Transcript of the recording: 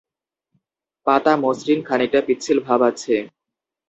পাতা মসৃণ, খানিকটা পিচ্ছিল ভাব আছে।